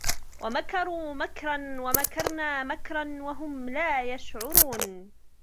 ومكروا مكرا ومكرنا مكرا وهم لا يشعرون